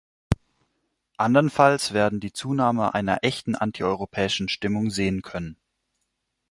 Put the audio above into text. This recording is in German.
Andernfalls werden die Zunahme einer echten antieuropäischen Stimmung sehen können.